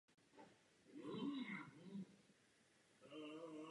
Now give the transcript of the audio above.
Děkuji za vyjasnění, které je odpovědí na znepokojení zpravodajky.